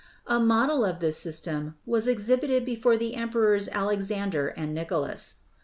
A model of this system was exhibited before the emperors Alexander and Nicholas.